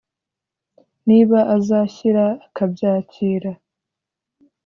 niba azashyira akabyakira